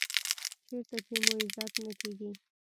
چېرته چې مو عزت نه کېږي .